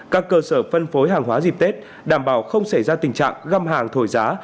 các cơ sở phân phối hàng hóa dịp tết đảm bảo không xảy ra tình trạng găm hàng thổi giá